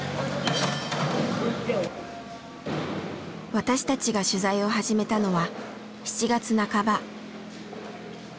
私たちが取材を始めたのは７月半ば。